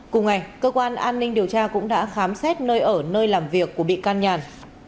cùng ngày cơ quan an ninh điều tra cũng đã khám xét nơi ở nơi làm việc của bị can nhàn